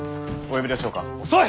遅い！